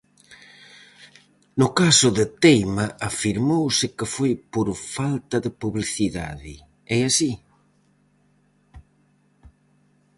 No caso de Teima afirmouse que foi por falta de publicidade, é así?